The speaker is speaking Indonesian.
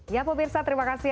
ya pemirsa terima kasih